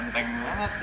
enteng banget deh hidup